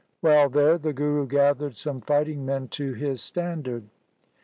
While there the Guru gathered some fighting men to his standard.